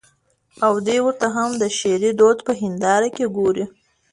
او دى ورته هم د شعري دود په هېنداره کې ګوري.